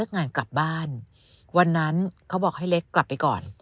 งานกลับบ้านวันนั้นเขาบอกให้เล็กกลับไปก่อน